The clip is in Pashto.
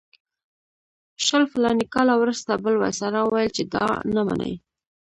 شل فلاني کاله وروسته بل وایسرا وویل چې دا نه مني.